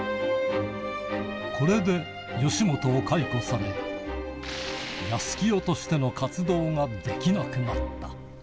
これで吉本を解雇され、やすきよとしての活動ができなくなった。